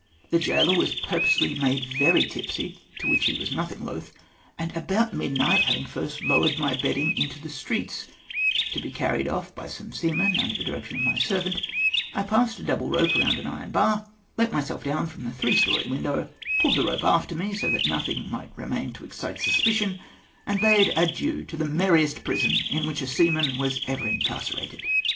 The gaoler was purposely made very tipsy, to which he was nothing loth ; and about midnight, having first lowered my bedding into the streets, to be carried off by some seamen under the direction of my servant, I passed a double rope roimd an iron bar, let myself down from the three story window, pulled the rope after me, so that nothing might remain to excite suspicion, and bade adieu to the merriest prison m which a seaman was ever incarcerated.